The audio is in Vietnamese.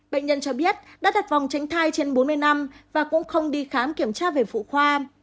bệnh nhân cho biết đã đặt vòng tránh thai trên bốn mươi năm và cũng không đi khám kiểm tra về phụ khoa